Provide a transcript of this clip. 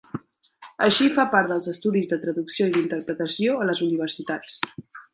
Així fa part dels estudis de traducció i d'interpretació a les universitats.